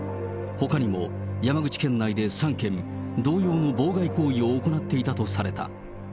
ほかにも山口県内で３件、同様の妨害行為を行っていたとされた。